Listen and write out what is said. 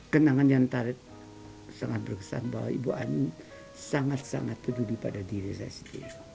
kenangan yang tarit sangat berkesan bahwa ibu ani sangat sangat peduli pada diri saya sendiri